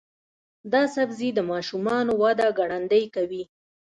دا سبزی د ماشومانو وده ګړندۍ کوي.